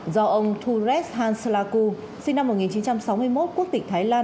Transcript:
do ông thu res hanslaku sinh năm một nghìn chín trăm sáu mươi một quốc tịch thái lan